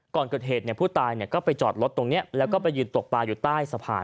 ก่อนเกิดเหตุผู้ตายก็ไปจอดรถตรงนี้แล้วก็ไปยืนตกปลาอยู่ใต้สะพาน